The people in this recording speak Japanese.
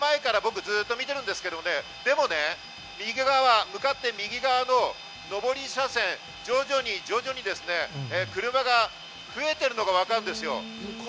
１０分ほど前から僕ずっと見てるんですけどね、でもね、右側、向かって右側の上り車線、徐々に徐々に車が増えているのがわかるんです。